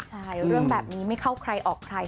ใช่เรื่องแบบนี้ไม่เข้าใครออกใคร